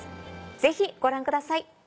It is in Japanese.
ぜひご覧ください。